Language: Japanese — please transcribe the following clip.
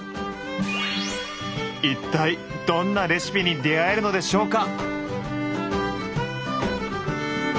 一体どんなレシピに出会えるのでしょうか？